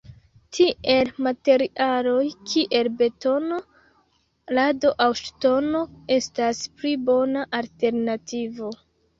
Tiel materialoj kiel betono, lado aŭ ŝtono estas pli bona alternativo.